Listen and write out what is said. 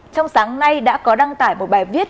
trong sáng nay đã có đăng tải một bài viết